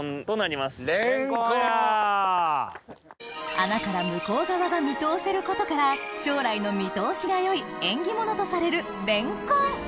穴から向こう側が見通せることから将来の見通しが良い縁起物とされるレンコン！